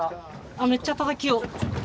めっちゃたたきよる。